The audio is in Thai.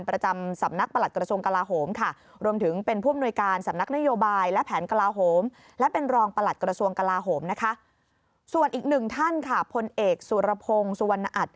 ประจำสำนักประหลักกรสวงกราโหมค่ะ